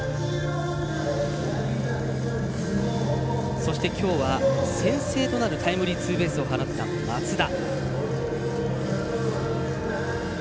そしてきょうは先制となるタイムリーツーベースを放った松田。